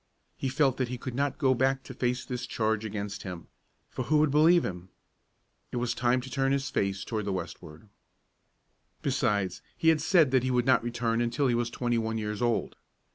He felt that he could not go back to face this charge against him, for who would believe him? It was time to turn his face to the westward. Besides, he had said that he would not return until he was twenty one years old.